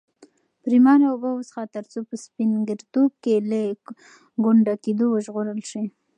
پرېمانه اوبه وڅښه ترڅو په سپین ږیرتوب کې له ګونډه کېدو وژغورل شې.